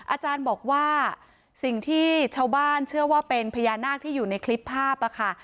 อาจารย์บอกว่าสิ่งที่ชาวบ้านเชื่อว่าเป็นพญานาคที่อยู่ในคลิปภาพค่ะ